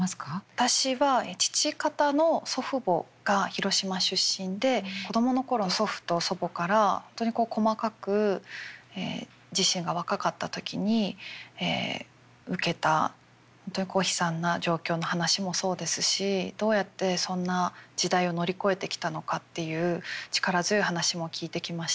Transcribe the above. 私は父方の祖父母が広島出身で子供の頃祖父と祖母から本当にこう細かく自身が若かった時に受けた本当にこう悲惨な状況の話もそうですしどうやってそんな時代を乗り越えてきたのかっていう力強い話も聞いてきましたし。